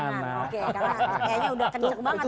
oke karena kayaknya udah kencuk banget itu